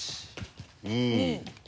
２。